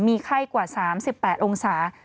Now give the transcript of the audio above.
มีไข้กว่า๓๘องศา